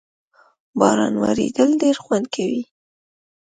باران ورېدل ډېر خوند کوي